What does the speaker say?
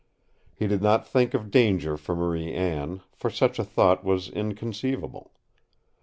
He did not think of danger for Marie Anne, for such a thought was inconceivable.